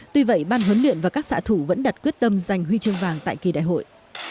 tuy vậy ban huấn luyện và các xã thủ vẫn đặt quyết tâm giành huy chương vàng tại kỳ đại hội